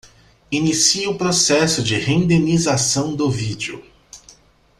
Inicie o processo de rendenização do vídeo.